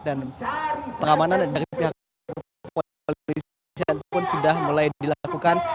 dan peramanan dari pihak kepolisi indonesia pun sudah mulai dilakukan